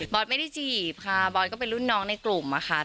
ไม่ได้จีบค่ะบอสก็เป็นรุ่นน้องในกลุ่มอะค่ะ